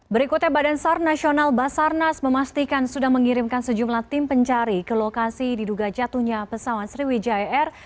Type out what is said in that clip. berikutnya badan sar nasional basarnas memastikan sudah mengirimkan sejumlah tim pencari ke lokasi diduga jatuhnya pesawat sriwijaya air